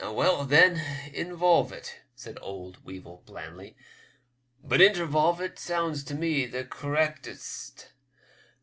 " Well, then, involve it," said old Weevil, blandly ; "but intervolve it sounds to me the correctest.